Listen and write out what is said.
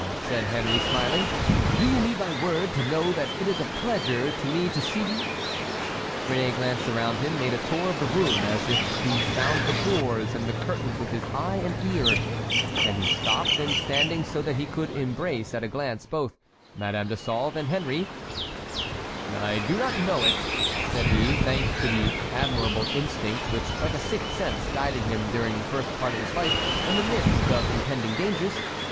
said Henry, smiling. "Do you need my word to know that it is a pleasure to me to see you?" Réné glanced around him, made a tour of the room as if to sound the doors and the curtains with his eye and ear, then he stopped and standing so that he could embrace at a glance both Madame de Sauve and Henry: "I do not know it," said he, thanks to that admirable instinct which like a sixth sense guided him during the first part of his life in the midst of impending dangers.